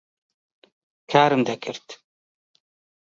کارم دەکرد.